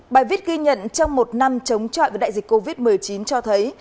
bài viết ghi nhận trong một năm chống trọi với đại dịch covid một mươi chín cho thấy